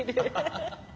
ハハハハハ！